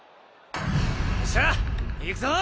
よっしゃ！いくぞ！